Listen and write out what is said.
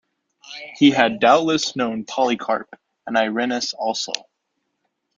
He had doubtless known Polycarp, and Irenaeus also.